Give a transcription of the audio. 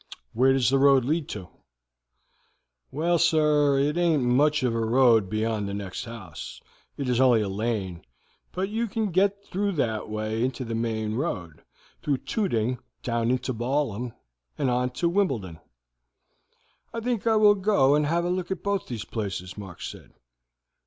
"Where does the road lead to?" "Well, sir, it aint much of a road beyond the next house; it is only a lane, but you can get through that way into the main road, through Tooting down into Balham, and on to Wimbledon." "'I think I will go and have a look at both those places," Mark said.